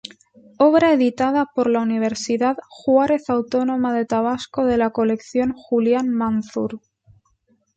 Obra editada por la Universidad Juárez Autónoma de Tabasco de la Colección Julián Manzur.